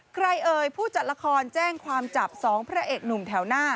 เอ่ยผู้จัดละครแจ้งความจับ๒พระเอกหนุ่มแถวหน้า